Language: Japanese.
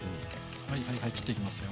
はいはいはい切っていきますよ。